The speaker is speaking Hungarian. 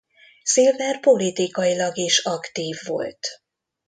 Silver politikailag is aktív volt.